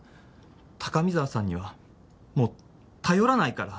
高見沢さんにはもう頼らないから。